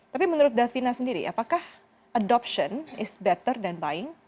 tapi menurut davina sendiri apakah adoption is better dan buying